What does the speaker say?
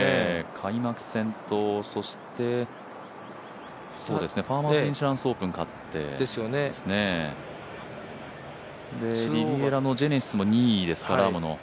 開幕戦とファーマーズ・インシュランス・オープン勝ってリビエラ、ジェネシスも１位ですからね。